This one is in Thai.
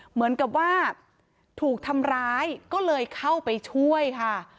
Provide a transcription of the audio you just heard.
เหมือนกับว่าถูกทำร้ายก็เลยเข้าไปช่วยค่ะ